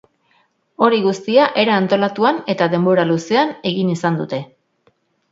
Hori guztia era antolatuan eta denbora luzean egin izan dute.